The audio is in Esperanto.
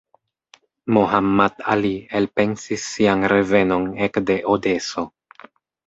Mohammad Ali elpensis sian revenon ekde Odeso.